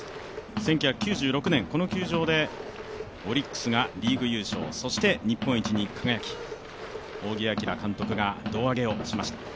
１９９６年、この球場でオリックスがリーグ優勝そして日本一に輝き、仰木彬監督が胴上げをしました。